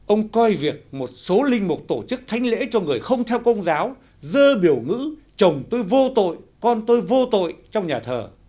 ông coi việc một số linh mục tổ chức thanh lễ cho người không theo công giáo dơ biểu ngữ chồng tôi vô tội con tôi vô tội trong nhà thờ